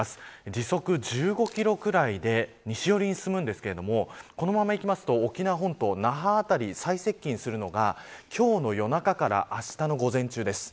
時速１５キロぐらいで西寄りに進むんですがこのままいくと、沖縄本島那覇辺りに最接近するのが今日の夜中からあしたの午前中です。